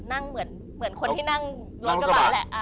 นั่งเหมือนคนที่นั่งรถกระบะแหละ